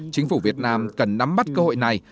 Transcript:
chính phủ việt nam cần nắm bắt cơ hội này